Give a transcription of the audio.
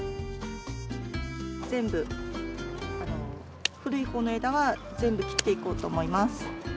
全部古いほうの枝は全部切っていこうと思います。